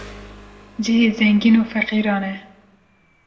cihê zengîn û feqîran e